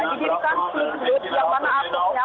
didirikan peluk peluk yang mana akunya